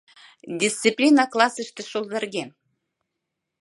— Дисциплина классыште шолдырген.